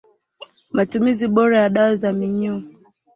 Matumizi bora ya dawa za minyoo